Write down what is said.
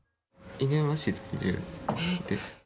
犬山市在住です。